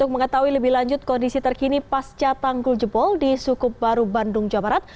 untuk mengetahui lebih lanjut kondisi terkini pasca tanggul jebol di sukup baru bandung jawa barat